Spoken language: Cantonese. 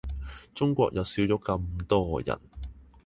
中國又少咗咁多人